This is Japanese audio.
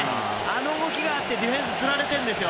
あの動きがあってディフェンスつられてるんです。